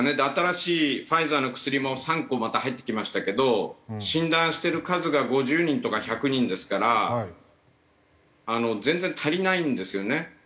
新しいファイザーの薬も３個また入ってきましたけど診断してる数が５０人とか１００人ですから全然足りないんですよね。